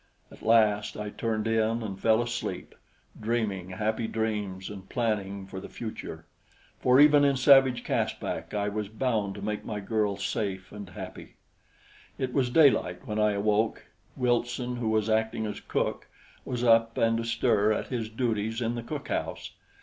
At last I turned in and fell asleep, dreaming happy dreams and planning for the future, for even in savage Caspak I was bound to make my girl safe and happy. It was daylight when I awoke. Wilson, who was acting as cook, was up and astir at his duties in the cook house.